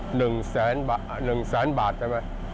หนึ่งแสนบาทใช่ไหม